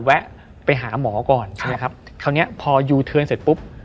แวะไปหาหมอก่อนใช่ไหมครับคราวเนี้ยพอยูเทิร์นเสร็จปุ๊บ